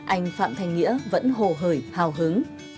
anh phạm thanh nghĩa vẫn hồ hời hào hứng